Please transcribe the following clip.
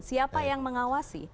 siapa yang mengawasi